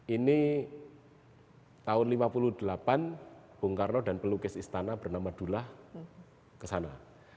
ini tahun seribu sembilan ratus lima puluh delapan bung karno dan pelukis istana bernama dullah kesana